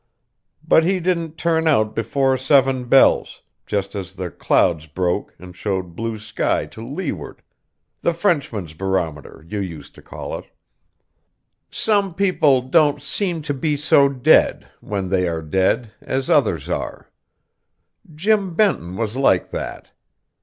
But he didn't turn out before seven bells, just as the clouds broke and showed blue sky to leeward "the Frenchman's barometer," you used to call it. Some people don't seem to be so dead, when they are dead, as others are. Jim Benton was like that.